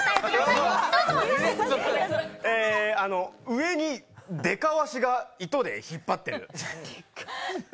上にデカわしが糸で引っ張ってる。